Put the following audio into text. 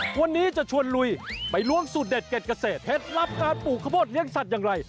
วันนี้จะชวนลุยไปล้วงสูตรเด็ดเก็ดเกษตรเคล็ดลับการปลูกข้าวโพดเลี้ยสัตว์อย่างไร